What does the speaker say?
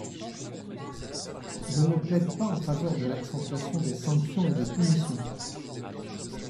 Je ne plaide pas en faveur de l’accentuation des sanctions et des punitions.